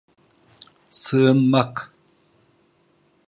Sığınmak!